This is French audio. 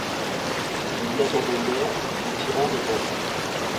Il y a dans nos mœurs du tyran répandu.